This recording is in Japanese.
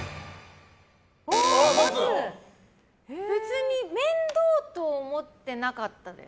別に面倒と思ってなかったです。